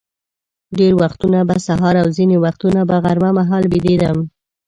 ډېر وختونه به سهار او ځینې وختونه به غرمه مهال بېدېدم.